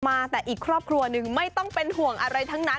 มาแต่อีกครอบครัวหนึ่งไม่ต้องเป็นห่วงอะไรทั้งนั้น